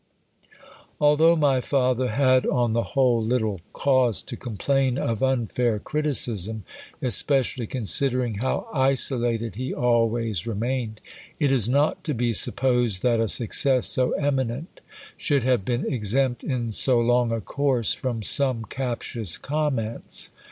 Although my father had on the whole little cause to complain of unfair criticism, especially considering how isolated he always remained, it is not to be supposed that a success so eminent should have been exempt in so long a course from some captious comments.